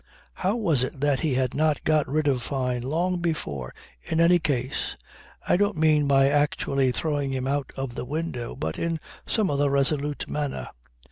How was it that he had not got rid of Fyne long before in any case? I don't mean by actually throwing him out of the window, but in some other resolute manner.